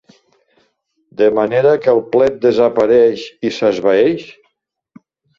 De manera que el plet desapareix i s'esvaeix?